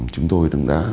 chúng tôi đã